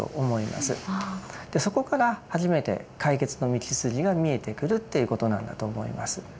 そこから初めて解決の道筋が見えてくるということなんだと思います。